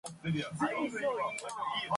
There are usually three to five eggs laid.